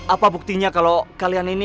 apa buktinya kalau kalian ini